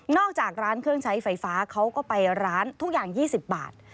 จากร้านเครื่องใช้ไฟฟ้าเขาก็ไปร้านทุกอย่าง๒๐บาท